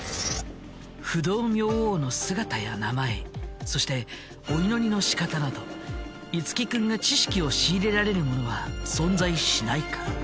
不動明王の姿や名前そしてお祈りのしかたなど樹君が知識を仕入れられるものは存在しないか？